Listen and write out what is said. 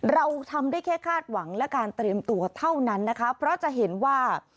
เราทำได้แค่คาดหวังและการเตรียมตัวเท่านั้นนะคะเพราะจะเห็นว่า